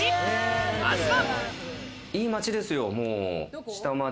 まずは。